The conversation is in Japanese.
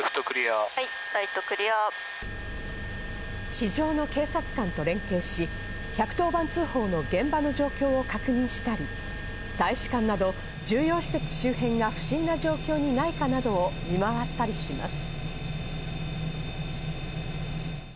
地上の警察官と連携し、１１０番通報の現場の状況を確認したり、大使館など重要施設周辺が不審な状況にないかなどを見回ったりします。